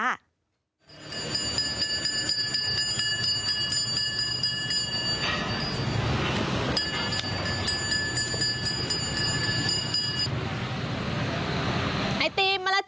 ไอตีมมากมาก